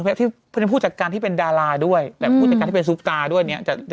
เพราะฉะนั้นผู้จัดการที่เป็นดาราด้วยแต่ผู้จัดการที่เป็นซุปกาด้วยเนี่ย